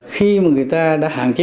khi mà người ta đã hàn chế